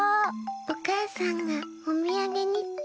おかあさんがおみやげにって。